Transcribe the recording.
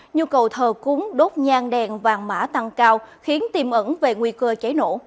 nhu cầu thờ cúng đốt nhan đèn vàng mã tăng cao khiến tiêm ẩn về nguy cơ cháy nổ